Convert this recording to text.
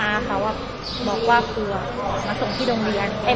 อ้าเขาอ่ะบอกว่าเกลือมาส่งที่โรงเรียนเอ้ย